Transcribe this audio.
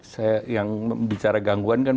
saya yang bicara gangguan kan